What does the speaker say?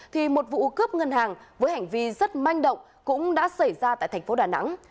thì một vụ cướp ngân hàng với hành vi rất manh động cũng đã xảy ra tại thành phố đà nẵng